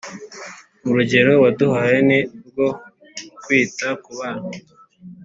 Urugero waduhaye ni rwo kwita kubana